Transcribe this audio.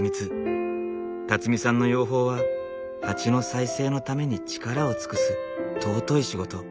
さんの養蜂はハチの再生のために力を尽くす尊い仕事。